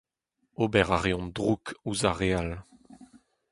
Ober a reont droug ouzh ar re all.